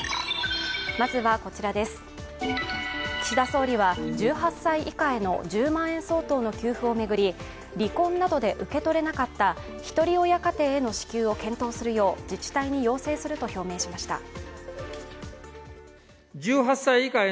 岸田総理は１８歳以下への１０万円相当の給付を巡り離婚などで受け取れなかったひとり親家庭への支給を検討するよう自治体に要請すると表明しました。